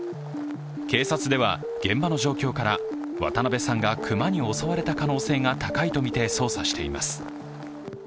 警察では、現場の状況から渡部さんが熊に襲われた可能性が高いとみて捜査しています。